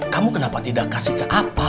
kamu kenapa tidak kasih ke apa